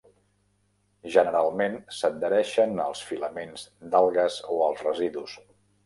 Generalment s'adhereixen als filaments d'algues o als residus.